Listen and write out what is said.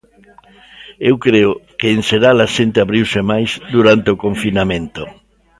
Eu creo que en xeral a xente abriuse máis durante o confinamento.